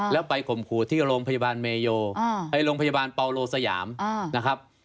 แล้วไปข่มขู่ที่โรงพยาบาลเมโยไปโรงพยาบาลเปาโลสยามนะครับ